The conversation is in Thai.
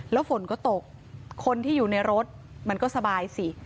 แล้วฝนก็ตกคนที่อยู่ในรถมันก็สบายสิ